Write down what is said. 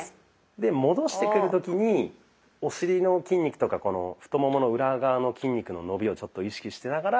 で戻してくる時にお尻の筋肉とかこの太ももの裏側の筋肉の伸びを意識しながら。